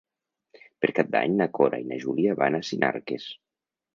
Per Cap d'Any na Cora i na Júlia van a Sinarques.